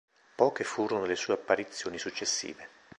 Poche furono le sue apparizioni successive.